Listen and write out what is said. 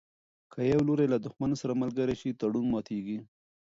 که یو لوری له دښمن سره ملګری شي تړون ماتیږي.